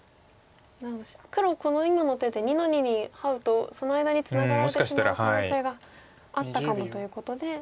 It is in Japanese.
黒この今の手で２の二にハウとその間にツナがられてしまう可能性があったかもということで。